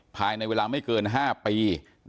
ภายในเวลาไม่เกิน๕ปี